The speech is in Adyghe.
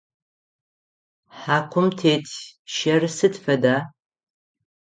Хьакум тет щэр сыд фэда?